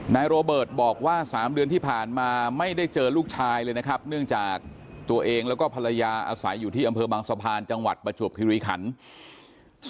โรเบิร์ตบอกว่า๓เดือนที่ผ่านมาไม่ได้เจอลูกชายเลยนะครับเนื่องจากตัวเองแล้วก็ภรรยาอาศัยอยู่ที่อำเภอบางสะพานจังหวัดประจวบคิริขัน